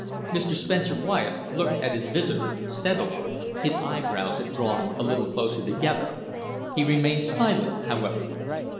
Mr. Spencer Wyatt looked at his visitor steadily. His eyebrows had drawn a little closer together. He remained silent, however.